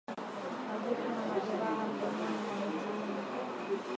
Majipu na majeraha mdomoni na miguuni